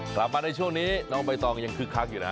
กลับมาในช่วงนี้น้องใบตองยังคึกคักอยู่นะ